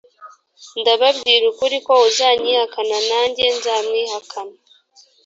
ndababwira ukuri ko uzanyihakana nanjye nzamwihakana